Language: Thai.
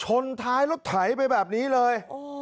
ชนท้ายรถไถไปแบบนี้เลย